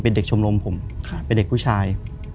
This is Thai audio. เป็นเด็กชมรมผมเป็นเด็กผู้ชาย